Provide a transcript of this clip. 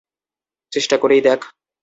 চেষ্টা করেই দেখ।